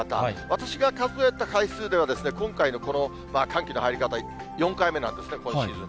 私が数えた回数では、今回のこの寒気の入り方、４回目なんですね、今シーズン。